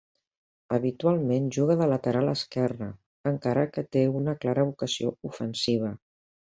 Habitualment juga de lateral esquerre, encara que té una clara vocació ofensiva.